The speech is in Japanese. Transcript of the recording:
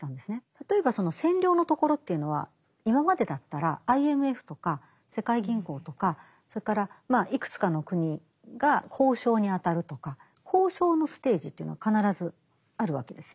例えばその占領のところというのは今までだったらＩＭＦとか世界銀行とかそれからまあいくつかの国が交渉に当たるとか交渉のステージというのは必ずあるわけですね。